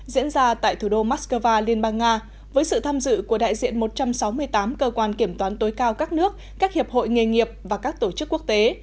diễn ra tại thủ đô moscow liên bang nga với sự tham dự của đại diện một trăm sáu mươi tám cơ quan kiểm toán tối cao các nước các hiệp hội nghề nghiệp và các tổ chức quốc tế